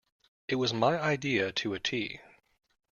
It was my idea to a tee.